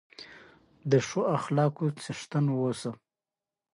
دا سرور روم یخ ساتل کېږي.